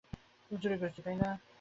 এবং আমি আবার একাজ করব।